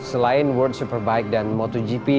selain world superbike dan motogp